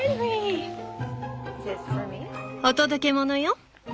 お届け物よ。